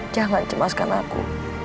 jangan cemaskan aku